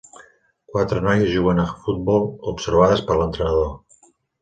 Quatre noies juguen a futbol observades per l'entrenador.